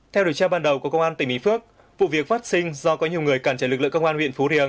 theo được trao ban đầu của công an tỉnh bình phước vụ việc phát sinh do có nhiều người cản trải lực lượng công an huyện phú riềng